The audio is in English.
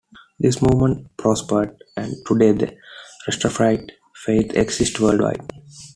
This movement prospered, and today the Rastafari faith exists worldwide.